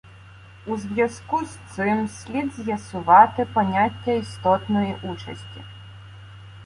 У зв'язку з цим слід з'ясувати поняття істотної участі.